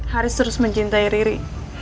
haris terus mencintai riri